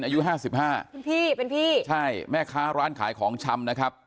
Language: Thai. อายุห้าสิบห้าคุณพี่เป็นพี่ใช่แม่ค้าร้านขายของชำนะครับ